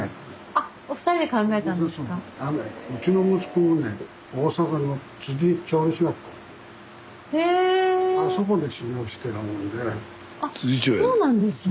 あっそうなんですね。